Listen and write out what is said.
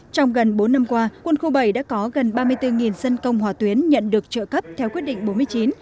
trong gần bốn năm qua quân khu bảy đã có gần ba mươi bốn dân công hòa tuyến nhận được trợ cấp theo quyết định bốn mươi chín